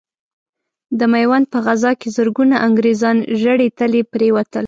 د ميوند په غزا کې زرګونه انګرېزان ژړې تلې پرې وتل.